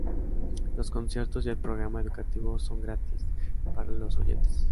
Los conciertos y el programa educativo son gratis para los oyentes.